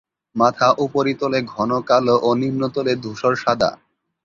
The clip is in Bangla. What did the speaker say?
মাথা উপরিতলে ঘন কালো ও নিম্নতলে ধূসর সাদা।